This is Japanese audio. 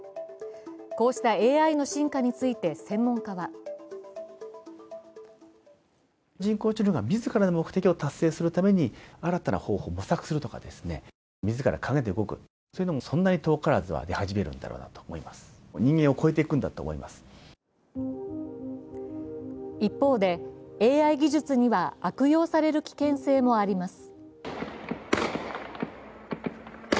こうしたＡＩの進化について専門家は一方で、ＡＩ技術には悪用される危険性もあります。